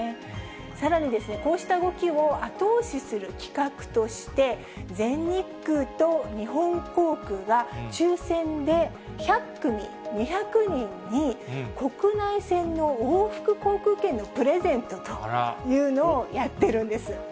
さらに、こうした動きを後押しする企画として、全日空と日本航空が抽せんで１００組２００人に、国内線の往復航空券のプレゼントというのをやってるんです。